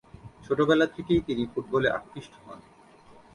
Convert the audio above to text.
ছোটবেলা থেকেই তিনি ফুটবলে আকৃষ্ট হন।